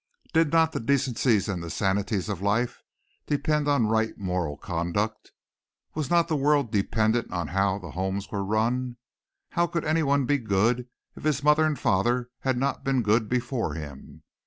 Did not the decencies and the sanities of life depend on right moral conduct? Was not the world dependent on how the homes were run? How could anyone be good if his mother and father had not been good before him?